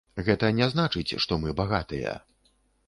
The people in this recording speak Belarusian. Гэта не значыць, што мы багатыя.